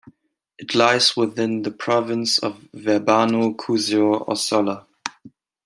It lies within the Province of Verbano-Cusio-Ossola.